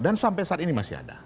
dan sampai saat ini masih ada